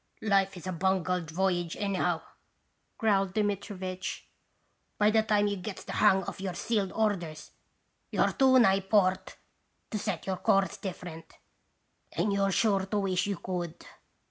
" Life is a bungled voyage anyhow," growled Dmitri vitch. " By the time you gets the hang of your sealed orders you're too nigh port to set your course different, and you 're sure to wish you could."